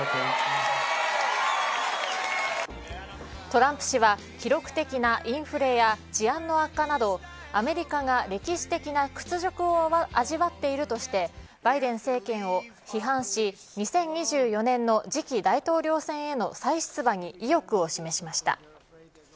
トランプ氏は記録的なインフレや治安の悪化など、アメリカが歴史的な屈辱を味わっているとしてバイデン政権を批判し２０２４年の次期大統領選への再出馬に意欲を示しました。